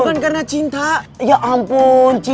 aduh k items